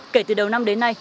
kể từ đầu năm đến năm